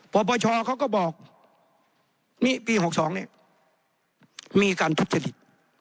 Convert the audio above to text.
ปปชเขาก็บอกนี่ปี๖๒เนี่ยมีการทุจริต